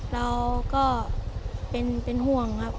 เราก็เป็นห่วงครับ